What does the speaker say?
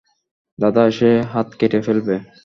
দাদা, সে হাত কেটে ফেলবে।